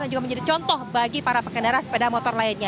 dan juga menjadi contoh bagi para pengendara sepeda motor lainnya